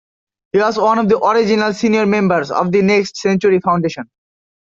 He was one of the original senior members of the Next Century Foundation.